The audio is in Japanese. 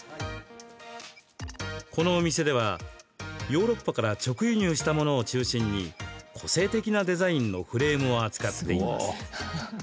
このお店では、ヨーロッパから直輸入したものを中心に個性的なデザインのフレームを扱っています。